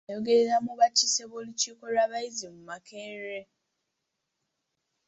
Oyogerera mu bakiise b’olukiiko lw’abayizi mu Makerere